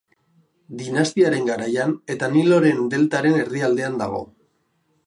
Dinastiaren garaian, eta Niloren deltaren erdialdean dago.